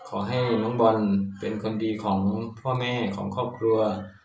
ขอให้น้องบอลเป็นคนดีของพ่อแม่ของครอบครัว